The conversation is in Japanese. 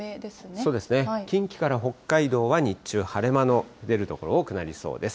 そうですね、近畿から北海道は日中晴れ間の出る所、多くなりそうです。